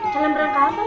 kalau berangkat apa ma